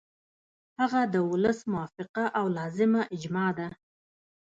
هغه د ولس موافقه او لازمه اجماع ده.